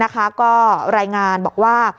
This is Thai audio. ก็รายงานบอกว่า